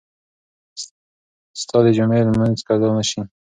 ستا د جمعې لمونځ قضا نه شي.